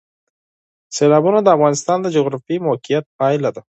سیلابونه د افغانستان د جغرافیایي موقیعت پایله ده.